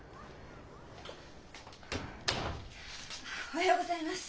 おはようございます。